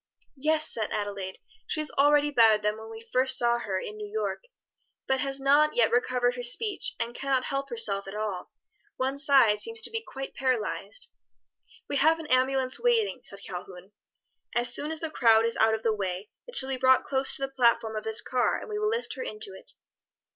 "Yes," said Adelaide, "she is already better than when we first saw her in New York, but has not yet recovered her speech and can not help herself at all. One side seems to be quite paralyzed." "We have an ambulance waiting," said Calhoun. "As soon as the crowd is out of the way it shall be brought close to the platform of this car and we will lift her into it."